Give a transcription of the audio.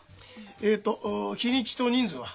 えっと日にちと人数は？